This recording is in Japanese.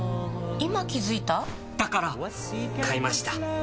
今気付いた？だから！買いました。